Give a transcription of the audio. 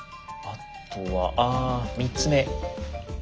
あとはああ３つ目。